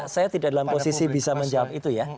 saya tidak dalam posisi bisa menjawab itu ya